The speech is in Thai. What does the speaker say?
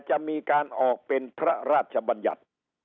จะมีการออกเป็นพระราชบัญญัติ